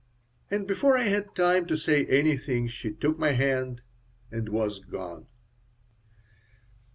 And before I had time to say anything she shook my hand and was gone.